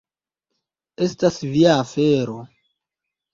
Estas via afero.